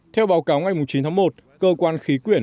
theo báo cáo ngày chín tháng một